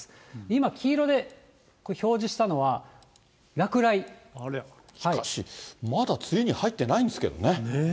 今、黄色で表示したのは、しかし、まだ梅雨に入ってないんですけどね。